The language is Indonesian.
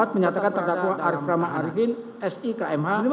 empat menyatakan terdakwa arif rahman arifin sikmh